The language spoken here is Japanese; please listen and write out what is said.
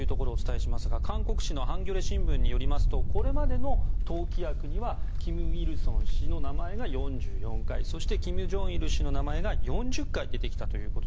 韓国紙のハンギョレ新聞によりますとこれまでの党規約には金日成氏の名前が４４回そして金正日氏の名前が４０回出てきたと。